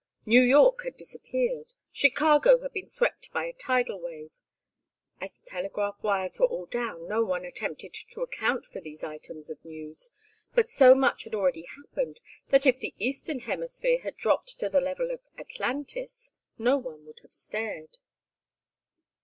New York had disappeared. Chicago had been swept by a tidal wave. As the telegraph wires were all down no one attempted to account for these items of news, but so much had already happened that if the eastern hemisphere had dropped to the level of Atlantis, no one would have stared.